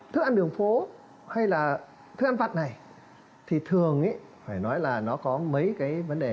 thức ăn đường phố hay là thức ăn vặt này thì thường phải nói là nó có mấy cái vấn đề